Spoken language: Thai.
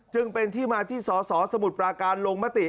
จึงเป็นที่มาที่สสสมุทรปราการลงมติ